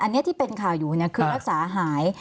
อันนี้ที่เป็นข่าวอยู่คือรักษาหาย